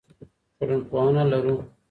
ټولنپوهنه لرو.